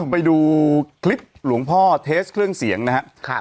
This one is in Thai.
ไปดูคลิปหลวงพ่อเทสเครื่องเสียงนะครับ